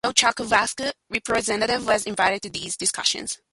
No Czechoslovak representative was invited to these discussions.